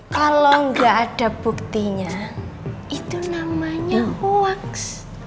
kalau gak ada buktinya itu namanya waks